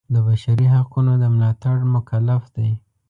د بشري حقونو د ملاتړ مکلف دی.